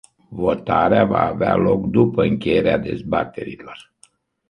Votarea va avea loc după încheierea dezbaterilor.